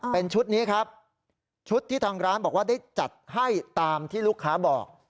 เป็นชุดนี้ครับชุดที่ทางร้านบอกว่าได้จัดให้ตามที่ลูกค้าบอก